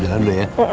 jalan dulu ya